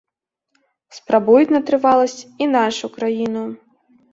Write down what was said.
Спрабуюць на трываласць і нашу краіну.